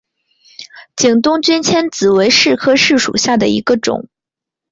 景东君迁子为柿科柿属下的一个种。